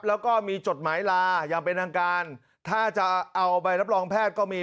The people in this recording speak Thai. แล้วก็มีจดหมายลาอย่างเป็นทางการถ้าจะเอาใบรับรองแพทย์ก็มี